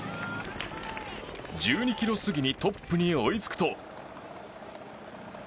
１２ｋｍ過ぎにトップに追いつくと。